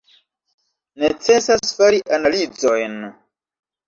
Necesas fari analizojn.